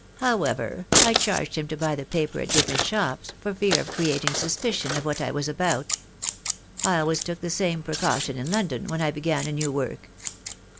However, I charged him to buy the paper at different shops, for fear of creating sus picion of what I was about. I always took the same precraition in London, when I began a new work."